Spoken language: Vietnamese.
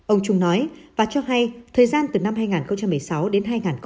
ông trung nói và cho hay thời gian từ năm hai nghìn một mươi sáu đến hai nghìn một mươi chín